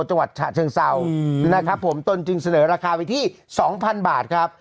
จังหวัดฉะเชิงเศร้านะครับผมตนจึงเสนอราคาไปที่๒๐๐บาทครับ